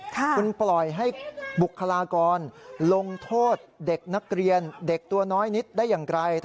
คุณปล่อยให้บุคลากรลงโทษเด็กนักเรียนเด็กตัวน้อยนิดได้อย่างไร